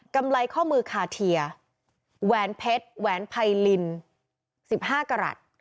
ำไรข้อมือคาเทียแหวนเพชรแหวนไพลิน๑๕กรัฐ